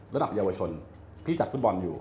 ระดับเยาวชนที่จัดฟุตบอลอยู่